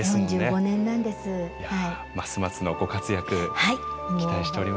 いやますますのご活躍期待しておりますので。